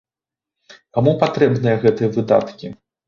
Каму патрэбныя гэтыя выдаткі?